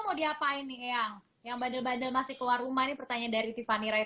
kalau ketemu yang bandel bandelnya kalau ketemu yang bandel bandelnya kalau ketemu yang bandel bandelnya